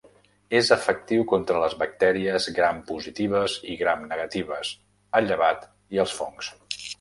És efectiu contra les bactèries gram positives i gram negatives, el llevat i els fongs.